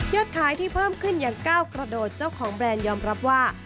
ขายที่เพิ่มขึ้นอย่างก้าวกระโดดเจ้าของแบรนด์ยอมรับว่า